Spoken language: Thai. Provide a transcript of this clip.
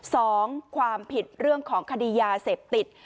สองความผิดเรื่องของคดียาเสพติด